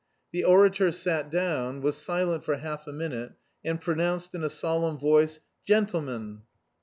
The orator sat down, was silent for half a minute, and pronounced in a solemn voice, "Gentlemen!"